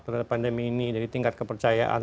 terhadap pandemi ini dari tingkat kepercayaan